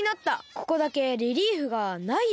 ここだけレリーフがないよね。